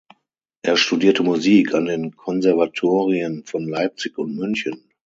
Er studierte Musik an den Konservatorien von Leipzig und München.